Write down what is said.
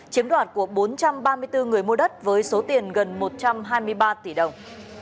chiếm đoạt của bốn trăm ba mươi bốn người mua đất với số tiền gần một trăm hai mươi ba tỷ đồng